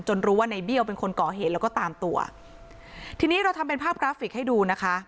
รู้ว่าในเบี้ยวเป็นคนก่อเหตุแล้วก็ตามตัวทีนี้เราทำเป็นภาพกราฟิกให้ดูนะคะ